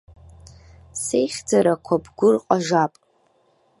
Сеихьӡарақәа бгәы рҟажап.